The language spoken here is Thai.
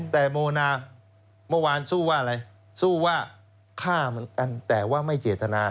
แต่โมนาเมื่อวานสู้ว่าอะไรสู้ว่าฆ่าเหมือนกันแต่ว่าไม่เจตนา